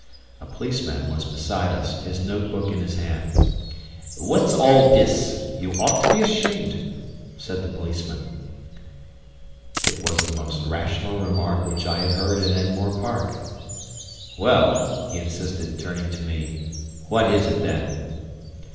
A policeman was beside us, his notebook in his hand. "What's all this? You ought to be ashamed" said the policeman. It was the most rational remark which I had heard in Enmore Park. "Well," he insisted, turning to me, "what is it, then?"